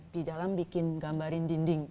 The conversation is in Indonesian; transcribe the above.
di dalam bikin gambarin dinding